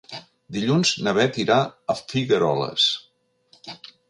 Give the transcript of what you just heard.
Dilluns na Bet irà a Figueroles.